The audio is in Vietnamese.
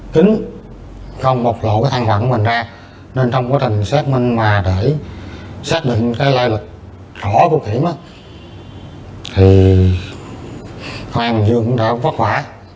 kính trong một lộ cái thân phận của mình ra nên trong quá trình xác minh mà để xác định cái loại lực hỏa của kiểm thì thông an kiểm cũng đã bất khỏa